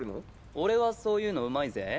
俺はそういうのうまいぜ。